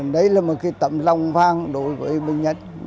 đấy là một cái tấm lòng vang đối với bệnh nhân